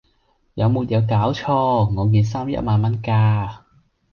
有沒有搞錯!我件衫一萬蚊架